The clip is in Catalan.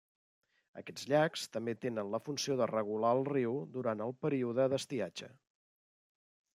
Aquests llacs també tenen la funció de regular el riu durant el període d'estiatge.